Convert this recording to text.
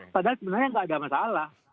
padahal sebenarnya nggak ada masalah